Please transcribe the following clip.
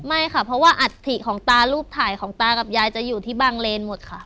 ไม่ค่ะเพราะว่าอัฐิของตารูปถ่ายของตากับยายจะอยู่ที่บางเลนหมดค่ะ